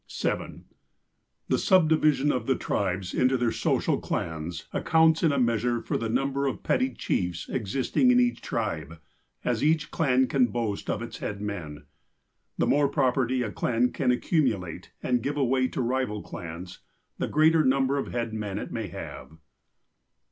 " (7) The subdivision of the tribes into their social clans, accounts in a measure for the number of petty chiefs existing in each tribe, as each clan can boast of its head men. The more property a clan can accumulate, and give away to rival clans, the greater number of head men it may have.